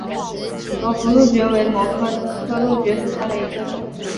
罗浮蕗蕨为膜蕨科蕗蕨属下的一个种。